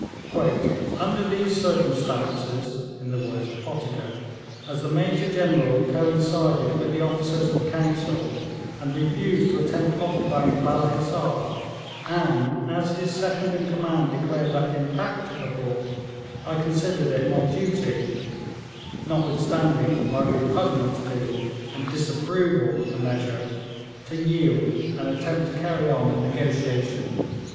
'Under these circumstances,' in the words of Pottinger, 'as the Major General coincided with the officers of the council, and refused to attempt occupying the Balla Hissar, and as his second in command declared that impracticable, I considered it my duty, notwithstanding my repugnance to and disapproval of the measure, to yield, and attempt to carry on a negotiation.'